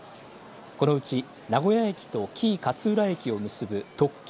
このうち名古屋駅と紀伊勝浦駅を結ぶ特急